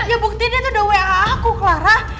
ya buktinya tuh udah wa aku clara